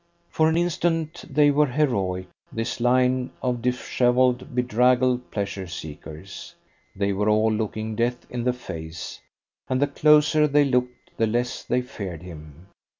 For an instant they were heroic, this line of dishevelled, bedraggled pleasure seekers. They were all looking Death in the face, and the closer they looked the less they feared him.